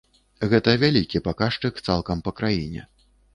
Гэта вялікі паказчык цалкам па краіне.